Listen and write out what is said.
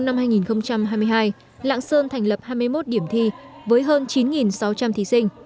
kỳ thi tốt nghiệp trung học phổ thông năm hai nghìn hai mươi hai lãng sơn thành lập hai mươi một điểm thi với hơn chín sáu trăm linh thí sinh